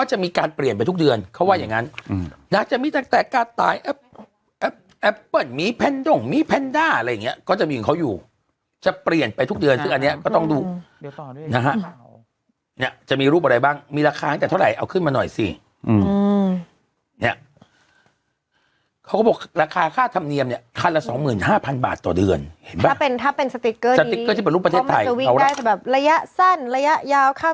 จะเปลี่ยนไปทุกเดือนซึ่งอันเนี้ยก็ต้องดูเดี๋ยวต่อด้วยนะฮะเนี้ยจะมีรูปอะไรบ้างมีราคาให้แต่เท่าไหร่เอาขึ้นมาหน่อยสิอืมเนี้ยเขาก็บอกราคาค่าธรรมเนียมเนี้ยคันละสองหมื่นห้าพันบาทต่อเดือนเห็นป่ะถ้าเป็นถ้าเป็นสติกเกอร์สติกเกอร์ที่เป็นรูปประเทศไทยเขาได้แบบระยะสั้นระยะยาว